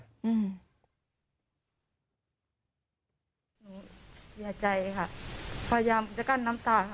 เชื่อใจครับพยายามจะกั้นน้ำตา